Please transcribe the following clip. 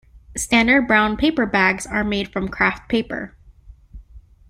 Standard brown paper bags are made from kraft paper.